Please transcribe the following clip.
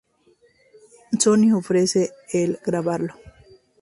Sony ofrece el "grabarlo".